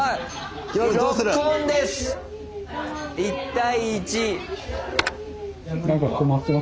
１対１。